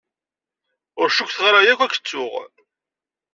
Ur cukkteɣ ara akk ad k-ttuɣ.